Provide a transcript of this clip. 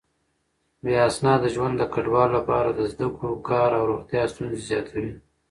بې اسناده ژوند د کډوالو لپاره د زده کړو، کار او روغتيا ستونزې زياتوي.